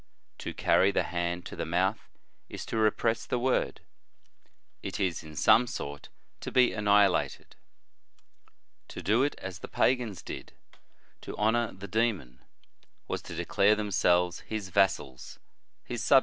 To carry the hand to the mouth, is to repress the word; it is, in some sort, to be annihilated. To do it as the pagans did, to honor the celestial bodies are the most noble portion.